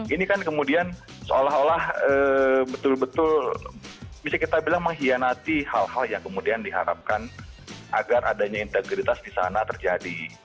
ini kan kemudian seolah olah betul betul bisa kita bilang mengkhianati hal hal yang kemudian diharapkan agar adanya integritas di sana terjadi